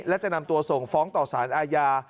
และจะนำตัวส่งฟ้องต่อสารอาญา